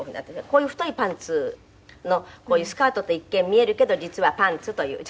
こういう太いパンツのこういうスカートって一見見えるけど実はパンツという。